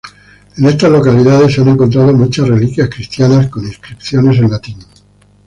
En estas localidades se han encontrado muchas reliquias cristianas, con inscripciones en latín.